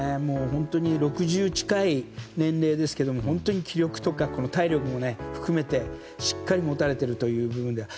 本当に６０近い年齢ですけれども本当に、気力とか体力も含めてしっかり持たれているという部分では。